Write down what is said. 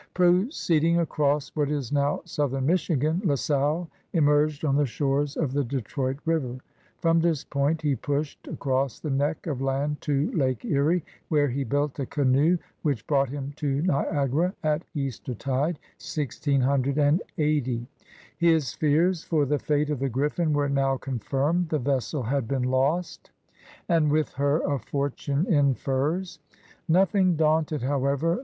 Proceeding across what is now southern Michigan, La Salle emerged on the shores of the Detroit River. From this point he pushed across the neck of land to Lake Erie, where he built a canoe which brought him to Niagara at Eastertide, 1680. His fears for the fate of the Griffin were now confirmed: the vessel had been lost, and with tt «^iitmJ^^^^^^m,i^»,,mt^ lA SALLE AND THE VOYAGEURS 107 her a fortune in furs. Nothing daunted, however.